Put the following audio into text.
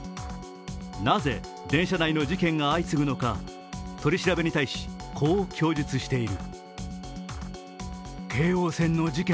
なぜ電車内の事件が相次ぐのか、取り調べに対しこう供述している。